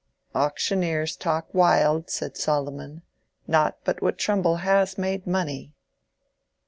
"Auctioneers talk wild," said Solomon. "Not but what Trumbull has made money."